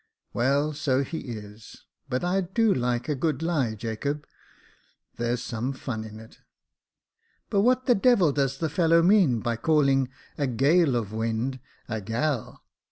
" Well, so he is ; but I do like a good lie, Jacob, there's 158 Jacob Faithful some fun in it. But what the devil does the fellow mean by calling a gale of wind — a gal